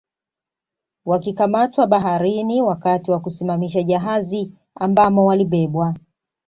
Wakikamatwa baharini wakati wa kusimamisha jahazi ambamo walibebwa